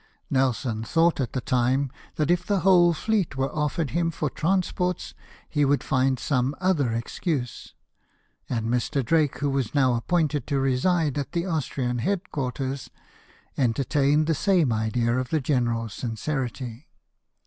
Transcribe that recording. Nelson thought at the time that if the whole fleet were offered him for transports, he would find some other excuse ; and Mr. Drake, who was now appointed to reside at the Austrian head quarters, entertained the same idea of the general's sincerity.